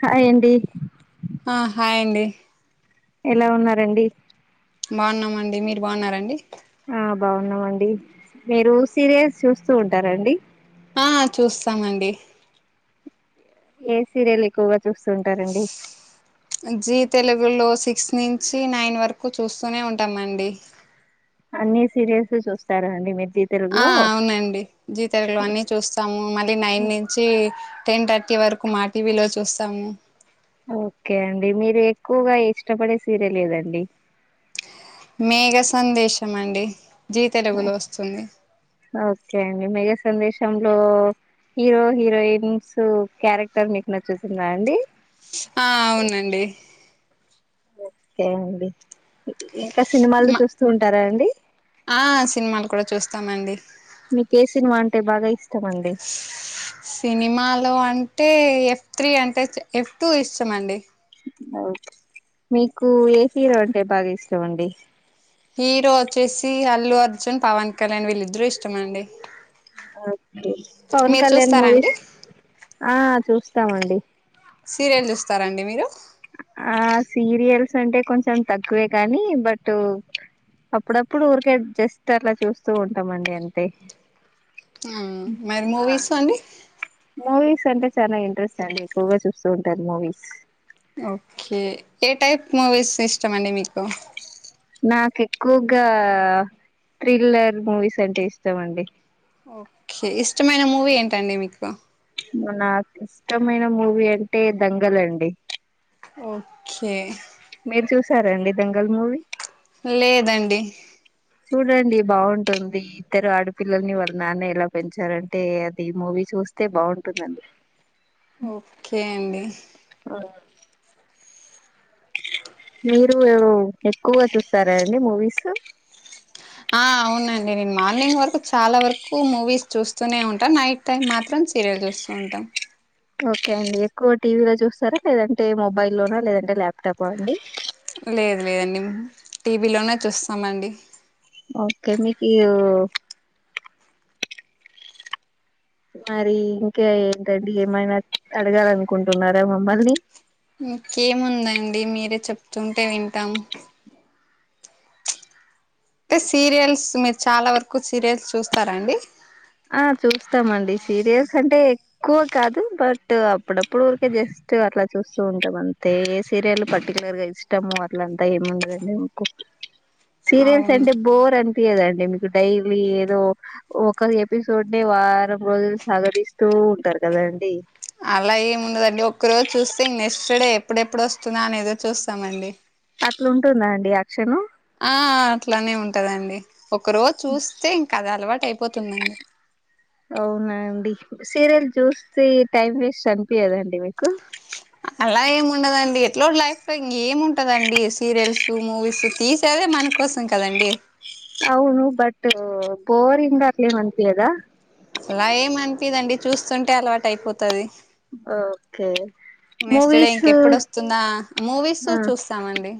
Hi అండి ఆ hi అండి ఎలా ఉన్నారండి బాగున్నామండి మీరు బాగున్నారండి ఆ బాగున్నామండి మీరు సీరియల్స్ చూస్తూ ఉంటారండి ఆహ్ చూస్తామండి ఏ సీరియల్ ఎక్కువగా చూస్తూంటారండి జీ తెలుగులో సిక్స్ నుంచి నైన్ వరకు చూస్తూనే ఉంటామండి అన్ని సీరియల్స్ చూస్తారండి మీరు జీ ఆ తెలుగులో అవ్నండి జీతేల్గులోన్ని చూస్తాము మళ్ళీ నైనుంచి టెన్ థర్టీ వరకు మా టీవీలో చూస్తాము ఓకే అండి మీరు ఎక్కువగా ఇష్టపడే సీరియలేదండి మేఘ సందేశమండి జీ తెల్గులో వస్తుంది ఓకే అండి మేఘ సందేశంలో హీరో హీరోయిన్స్ క్యారెక్టర్స్ మీకు నచ్చుతుందండి ఆ అవును అండి ఓకే అండి ఇంకా సినిమాలు మా చూస్తూ ఉంటారండి ఆ సిన్మాలు కూడా చూస్తామండి మీకు ఏ సినిమా అంటే బాగా ఇష్టం అండి సినిమాలో అంటే అంటే ఎఫ్ త్రీ అంటే ఎఫ్ టూ ఇష్టమండి ఓ మీకే హీరో అంటే బాగా ఇష్టమండి హీరో ఓచ్చేసి అల్లు అర్జున్ పవన్ కళ్యాణ్ విళ్ళిద్ద్ర ఇష్టమండి ఓకే పవన్ మీరు కళ్యాణ్ చూస్తారా అండి మూవీస్ ఆ చూస్తామండి సీర్యల్ చూస్తారండి మీరు ఆ సీరియల్స్ అంటే కొంచెం తక్కువే కానీ బటూ అప్పుడప్పుడు ఊర్కే జస్ట్ అలా చూస్తూ ఉంటామండి అంతే ఉమ్ మరి మూవీసు అండి మూవీస్ అంటే చానా ఇంట్రెస్ట్ అండి. ఎక్కువగా చూస్తూ ఉంటాను మూవీస్ ఓకే ఏ టైప్ మూవీస్ ఇష్టం అండి మీకు నాక్ ఎక్కువ్గా థ్రిల్లర్ మూవీస్ అంటే ఇష్టం అండి ఓకే ఇష్టమైన మూవీ ఏంటండి మీకు మా నాక్ ఇష్టమైన మూవీ అంటే దంగల్ అండి ఓకే మీర్ చూసారండి దంగల్ మూవీ లేదండి చూడండి బావుంటుంది ఇద్దరు ఆడపిల్లల్ని వాళ్ళ నాన్న ఎలా పెంచారంటే అది మూవీ చూ చూస్తే బావుంటుందండి ఓకే అండి మీరు ఎక్కువ చూస్తారా అండి మూవీస్ ఆ అవునండి నేను మార్నింగ్ వరకు చాలా వరకు మూవీస్ చూస్తూనే ఉంటా. నైట్ టైం మాత్రం సీరియల్ చూస్తూ ఉంటాం ఓకే అండి ఎక్కువ టీవీలో చూస్తారా లేదంటే మొబైల్ లోనా లేదంటే ల్యాప్టాప్ అండి లేద్ లేదండి టీవీలోనే చూస్తామండి ఓకె మికి మరి ఇంకా ఏంటండి ఏమైనా అడగాలి అనుకుంటున్నారా మమ్మల్ని ఇంకేముందండి మీరే చెప్తుంటే వింటాం. అంటే సీరియల్స్ మీర్ చాలా వరకు సీరియల్స్ చూస్తార అండి. ఆ చూస్తామండి సీరియల్స్ అంటే ఎక్కువ కాదు. బట్ అప్పుడప్పుడు ఊరికే జస్ట్ టు అట్లా చూస్తూ ఉంటాం అంతే సీరియల్ పర్టికులర్ గా ఇష్టము అట్లంతా ఏం ఉండదండి మకు సీరియల్స్ అవును అంటే బోర్ అన్పియదా అండి మీకు డైలీ ఏదో ఒక ఎపిసోడ్ని వారం రోజులు సగరిస్తూ ఉంటారు కదాండి అలా ఏముండదండి ఒక్క రోజు చూస్తే నెక్స్ట్ డే ఎప్పుడెప్పుడు వస్తదా అని ఎదురు చూస్తామండి. అట్లా ఉంటుందా అండి యాక్షను ఆ అట్లనే ఉంటదండి ఒక్క రోజు చూస్తే ఇంకా అదే అలవాట్ అయిపోతుందండి. అవునండి సీరియల్ చూస్తే టైం వేస్ట్ అన్పియద అండి మీకు అలా ఏమ్ ఉండదండి. ఎట్లా లైఫ్ ఇంగ్ ఏముంటదండి సీరియల్స్ మూవీస్ తీసేదే మనక్ కోసం కదండి అవును బట్ బోరింగ్ అట్లా ఏమ్ అన్పియదా అలా ఏం అన్పియదండీ చూస్తుంటే అల్వాట్ అయిపోతది. ఓకే నెక్స్ట్ డే మూవీస్ ఇంక ఎప్పుడ్ ఒస్తుందా మూవీస్సు ఆ చూస్తామండి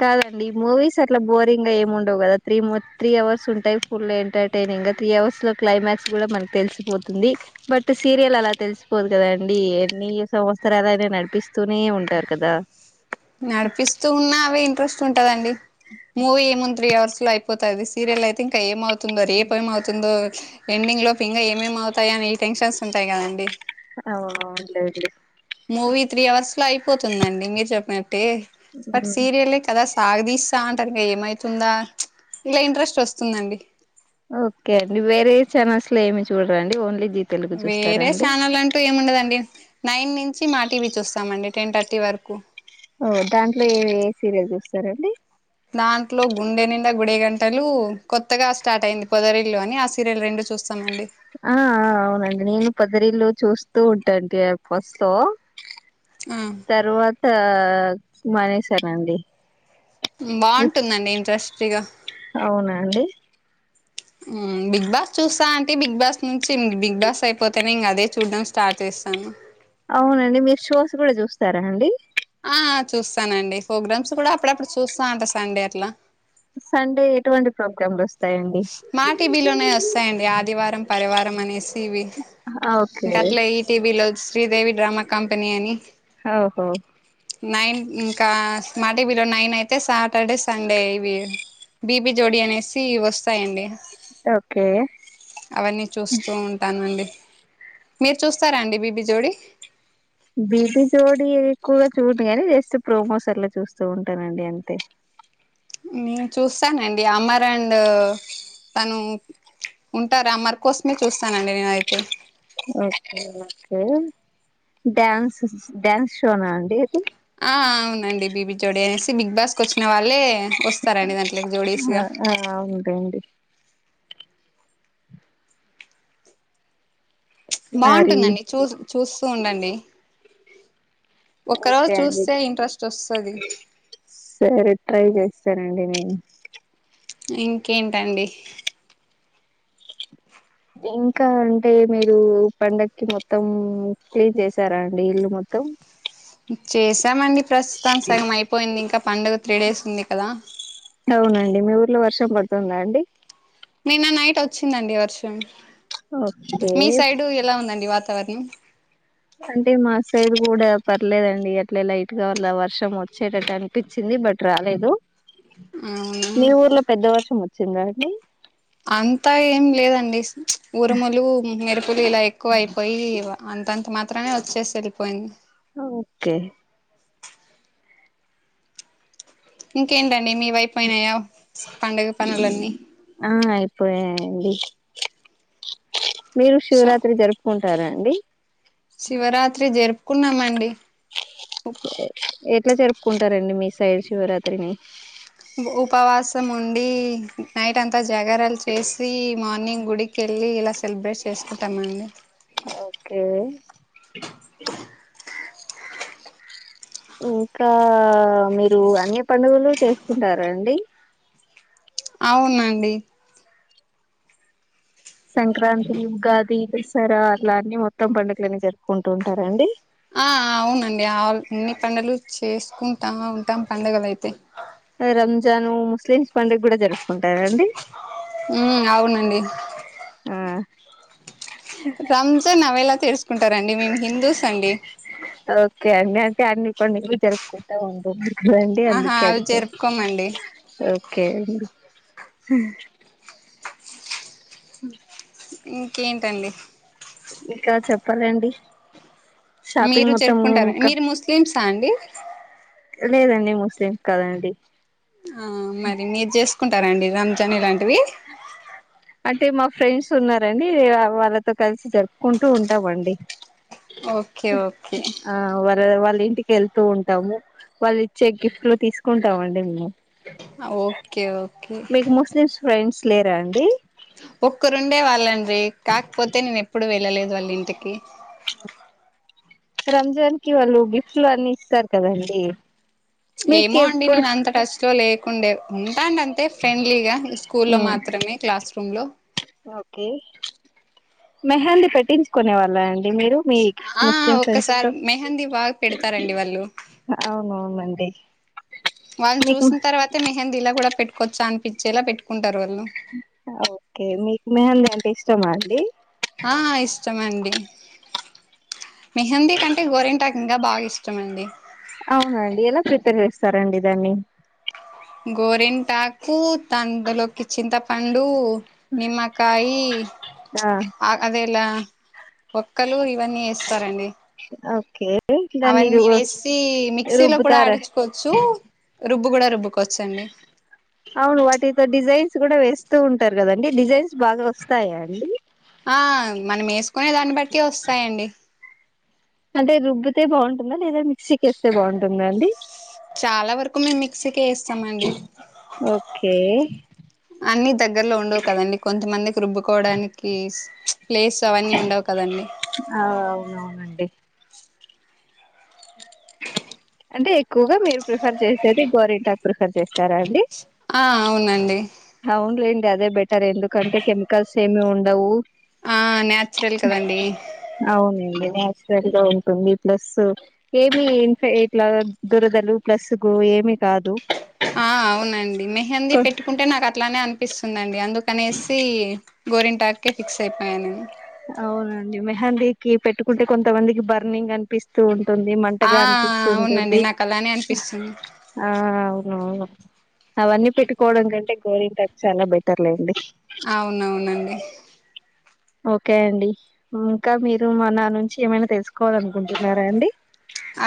కాదండి మూవీస్ అట్లా బోరింగ్ గా ఏమ్ ఉండవ్. కదా త్రీ మ త్రీ అవర్స్ ఉంటాయి. ఫుల్ ఎంటర్టైనింగ్ త్రీ అవర్స్ లో క్లైమాక్స్ కూడా మన్కి తెల్సిపోతుంది. బట్ సీరియల్ అలా తెల్సిపోదు కదా అండి. అని సంవత్సరాలయినా నడిపిస్తూనే ఉంటారు కదా నడిపిస్తూ ఉన్నా అవే ఇంట్రెస్ట్ ఉంటదండి మూవీ ఏమున్ త్రీ అవర్స్ లో అయిపోతాది సీరియల్ అయితే ఇంకా ఏమవుతుందో, రేప్ ఏమవుతుందో, ఎండింగ్ లో ఫింగ ఏమేమో అవుతాయ అని ఈ టెన్షన్స్ ఉంటాయి కదండి అవును ఉండేటిగా మూవీ త్రీ అవర్స్ లో అయిపోతుందండి. మీర్ చెప్పినట్టే బట్ సీరియల్ కదాస్ సాగదీస్తా అంటార్ ఇంక ఏమైతుందా ఇంగ ఇంట్రెస్ట్ వస్తుందండి. ఓకే అండి వేరే ఛానల్స్ లో ఏమి చూడరాండి ఓన్లీ జీ తెలుగు చూస్తారా వేరే అండి ఛానల్ అంటూ ఏం ఉండదండి నైన్ ను చి మా టీవీ చూస్తామండి టెన్ థర్టీ వర్కు ఓ దాంట్లో ఏ ఏ సీర్యల్ చూస్తారండి దాంట్లో గుండె నిండా గుడే గంటలు కొత్తగా స్టార్ట్ అయింది పొదరిల్లు అని ఆ సీర్యల్ రెండు చూస్ అ ఆ అవునండి నేను పోదరీలు చూస్తూ ఉంటాండి ఫస్ట్ లో తర్వాత మానేశానండి బాంటుందండి ఇంట్రెస్ట్గా అవునా అండి బిగ్ బాస్ చూస్తాంటి బిగ్ బాస్ నుంచి బిగ్ బాస్ అయిపోతేనే ఇంక అదే చూడడం స్టార్ట్ చేస్తాను. అవునండి మీరు షోస్ కూడా చూస్తారా అండి ఆ చూస్తానండి ప్రోగ్రామ్స్ కూడా అప్పుడప్పుడు చూస్థంట సండే అట్లా సండే ఎటువంటి ప్రోగ్రామ్లు వస్ మా టీబీలోనే వస్తాయండి ఆదివారం పరివారం అనేసి ఇవి ఓకే ఇంక అట్లా ఈటీవీలో శ్రీదేవి డ్రామా కంపెనీ అని ఓహో నైన్ ఇంకా మా టీవీలో నైన్ అయితే సాటర్డే సండే ఇవి బీబీ జోడి అనేసి వస్ స్తాయండి ఓకే అవన్నీ చూస్తూ ఉంటానండి మీరు చూస్తారా అండి బీబీ జోడి బీబీ జోడి ఎక్కువగా చూడను కాని జస్ట్ ప్రోమోస్ అలా చూస్తూ ఉంటానండి అంతే నేను చూస్తానండి అమర్ అండ్ తను ఉంటారా అమర్ కోసమే చూస్తానండి నేనైతే ఓకే ఓకే డ్యాన్స్ డ్యాన్స్ షోనా అండి అది ఆ అవునండి బీబీ జోడి అనేసి బిగ్ బాస్కి వచ్చిన వాళ్ళే వస్తారండి దాంట్లకు ఆ జోడీస్గా ఆ, అవునండి మరి బాగుంటుందండి చూస్ చూస్తూ ఉండండి ఒక రోజు ఓకే అండి చూస్తే ఇంట్రెస్ట్ ఓస్తది సరే ట్రై చేస్తానండి నేను ఇంకేంటండి ఇంకా అంటే మీరు పండగకి మొత్తం క్లీన్ చేసారా అండి ఇల్లు మొ త్తం చేశామండి ప్రస్తుతాం సగం అయిపోయింది ఇంకా పండుగ త్రీ డేస్ ఉంది కదా అవునండి మీ ఊర్లో వర్షం పడుతుందా అండి నిన్న నైట్ వచ్చిందండి వర్షం ఓకే మీ సైడ్ ఎలా ఉందండి వాతావరణం అంటే మా సైడ్ కూడా పర్లేదండి అట్లే లైట్ గా వా వర్షం వచ్చేటట్టు అనిపిచింది బట్ రాలేదు అవునా మీ ఊర్లో పెద్ద వర్షం వచ్చింద అండి అంతా ఏం లేదండి ఉరుములు మెరుపులు ఇలా ఎక్కువ అయిపోయి అంతంత మాత్రమే వచ్చేసేళ్ళిపోయింది ఓకే ఇంకేంటండి మీ వైపోయినాయా పండుగ పనులన్నీ ఆ అయిపోయాయండి మీరు సో శివరాత్రి జరుపుకుంటారా అండి శివరాత్రి జరుపుకున్నామండి ఎట్లా జరుపుకుంటారండి మీ సైడ్ శివరాత్రిని స్తమండి నైట్ అంతా జాగారలు చేసి మార్నింగ్ గుడికేళ్ళి ఇలా సెలబ్రేట్ చేసుకుంటామండి ఓకే ఇంకా మీరు అన్ని పండుగలు చేసుకుంటారా అండి అవునండి సంక్రాంతి ఉగాది దసరా అట్ల అన్ని మొత్తం పండుగలని జరుపుకుంటు ఉంటారండి ఆ అవునండి ఆ అన్ని పండగలు చేసుకుంటా ఉంటాం పండుగల అయితే రంజాన్ ముస్లిం పండుగ కూడా జరుపుకుంటారండి ఉమ్, అవునండి ఆ రంజాన్ అవి ఎలా తెర్సుకుంటారండి మేము హిందూస్ అండి ఓకే అండి అంటే అన్ని పండగలు జరుపుకుంటా ఉంటాం అండి ఆహా అందుకే అవి అడిగాను జరుపుకోమండి ఒకే అండి మ్ ఇంకేంటండి ఇంకా చెప్పలండి మీరు జెర్పుకుంటార మీరు ముస్లిమ్సా అండి లేదండి ముస్లిమ్స్ కదండి ఆ మరి మీరు జెస్కుంటారండి రంజాన్ ఇలాంటివి అంటే మా ఫ్రెండ్స్ ఉన్నారండి వాళ్లతో కలిసి జరుపుకుంటూ ఉంటాం అండి ఓకే ఓకే ఆ వర వాలిం ఇంటికెళ్తూ ఉంటాము వాల్ ఇచ్చే గిఫ్టలు తీసుకుంటాం అండి మేము ఓకే ఓకే మీకు ముస్లిమ్స్ ఫ్రెండ్స్ లేరా అండి ఒక్కరుండే వాళ్ళండ్రి కాకపోతే నేను ఎప్పుడు వెళ్ళలేదు వాళ్ళ ఇంటికి రంజాన్ కి వాళ్ళు గిఫ్ట్లు అన్ని ఇసర్ కదండీ ఏమో అండి నేన్ అంత టచ్ లో లేకుండే మ్ టన్ అంతే ఫ్రెండ్లీగా స్కూల్ లో ఉమ్ మాత్రమే క్లాస్ రూమ్ లో మేహింది పెట్టించుకునే వాళ్ళ అం మీరు మీ ఆ ముస్లిం ఫ్రెండ్స్ ఒక్కసారి తో మెహందీ బాగా పెడతారండి వాళ్ళు అవునవును అంతే వాళ్ళు చూసిన తర్వాతే మేహింది ఇలా కూడా పెటుకోవచ్చు అనిపించేలా పెట్టుక్ అ ఒకే మీకు మేహింది అంటే ఇష్టమా అండి ఆ ఇష్టమండి మేహింది కంటే గోరింటకు ఇంకా బాగా ఇష్టమండి అవునండి ఎలా ప్రిపేర్ చేస్తారండి దాన్ని గోరింటాకు తందులోకి చింతపండు నిమ్మకాయి ఆ అదే ఇలా ఒక్కలు ఇవన్నీ ఎస్తారండీ ఓకే దాన్ని రు అవన్నీ వేసి మిక్సీలో కూడా రుబ్బుతారా ఆడిచుకోవచ్చు రుబ్బు గుడా రుబ్బుకోచ్చండి అవును వాటితో డిజైన్స్ కూడా వేస్తూ ఉంటారు కదండి డిజైన్స్ బాగా ఒస్తాయా అండి ఆ మనం ఎస్కునేదాని బట్టి ఒసాయండి అంటే రుబ్బితే బావుంటుందా లేదా మిక్సికేస్తే బావుంటుందా అండి చాలా వరకు మేము మిక్సీకె ఎస్తాం అండి ఓకే అన్ని దగ్గరలో ఉండవు కదండి కొంతమందికి రుబ్బుకోడానికి ప్లేస్ అవన్నీ ఉండవ్ కదండి ఆ అవునవునండి అంటే ఎక్కువగా మీరు ప్రిఫర్ చేసేది గోరింటాక్ ప్రిఫర్ చేస్తారా అండి ఆ అవునండి అవునులేండి అదే బెటర్ ఎందుకంటే కెమికల్స్ ఏమి ఉండవు ఆ న్యాచురల్ కదండి అవునండి సరిగా ఉంటుంది ప్లస్ ఏమి ఇన్ఫ ఇట్లా దురదలు ప్లస్ గో ఏమి కాదు ఆ అవునండి మేహింది పెట్టుకుంటే నాకు అట్లానే అనిపిస్తుందండి అందుకనేసి గోరింటాక్ కె ఫిక్స్ అయిపోయా నేన్ అవునండి మేహింది కి పెట్టుకుంటే కొంతమందికి బర్నింగ్ అనిపిస్తూ టుంది ఆ మంటగా అవునండి అనిపిస్తుంటుంది నాకు అలానే అనిపిస్తుంది ఆ అవన్నీ పెట్టుకోవడం కంటే గోరింటకు చాలా బెటర్లేండి అవునవునండి ఒకే అండి ఇంకా మీరు మా నా నుంచి ఏమైనా తెలుసుకో కోదనుకుంటున్నారా అండి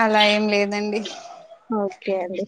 అలా ఏం లేదండి ఓక్ కె అండి